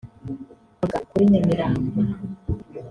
Avuga kuri Nyamirambo